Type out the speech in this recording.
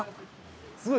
すごい！